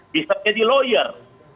bisa jadi lawyer